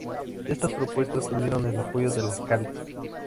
Estas propuestas tuvieron el apoyo del Alcalde.